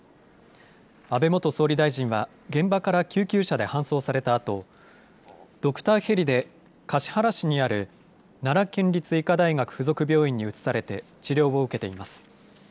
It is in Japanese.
安倍元総理大臣は現場から救急車で搬送されたあとドクターヘリで橿原市にある奈良県立医科大学附属病院に移されて治療を受けています。